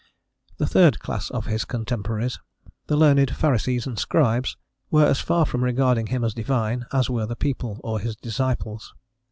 The third class of his contemporaries, the learned Pharisees and Scribes, were as far from regarding him as divine as were the people or his disciples.